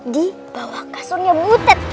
di bawah kasurnya butet